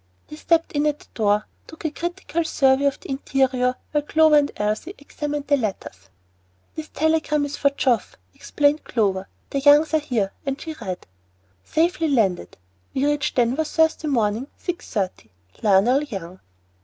He stepped in at the door and took a critical survey of the interior, while Clover and Elsie examined their letters. "This telegram is for Geoff," explained Clover. "The Youngs are here," and she read: Safely landed. We reach Denver Thursday morning, six thirty. LIONEL YOUNG.